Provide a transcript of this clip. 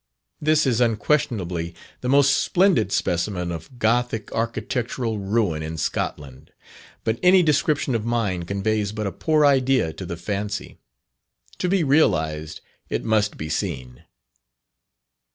This is unquestionably the most splendid specimen of Gothic architectural ruin in Scotland. But any description of mine conveys but a poor idea to the fancy. To be realized, it must be seen.